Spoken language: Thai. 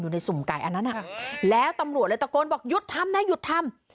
ในสุ่มไก่อันนั้นแล้วตำรวจเลยตะโกนบอกหยุดทำนะหยุดทำ